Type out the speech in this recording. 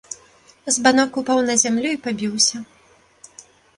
Збанок упаў на зямлю і пабіўся.